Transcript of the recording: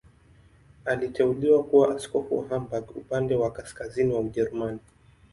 Aliteuliwa kuwa askofu wa Hamburg, upande wa kaskazini wa Ujerumani.